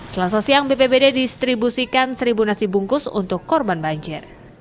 selasa siang bpbd distribusikan seribu nasi bungkus untuk korban banjir